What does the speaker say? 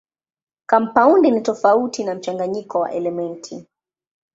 Kampaundi ni tofauti na mchanganyiko wa elementi.